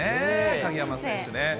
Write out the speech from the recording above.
鍵山選手ね。